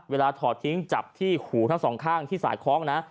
ถอดทิ้งจับที่หูทั้งสองข้างที่สายคล้องนะ